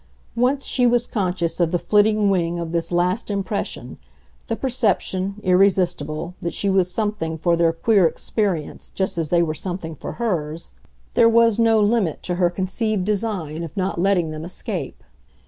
Once she was conscious of the flitting wing of this last impression the perception, irresistible, that she was something for their queer experience, just as they were something for hers there was no limit to her conceived design of not letting them escape.